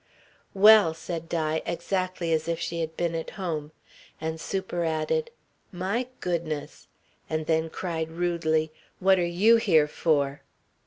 "Well!" said Di, exactly as if she had been at home. And superadded: "My goodness!" And then cried rudely: "What are you here for?"